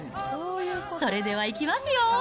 それではいきますよ。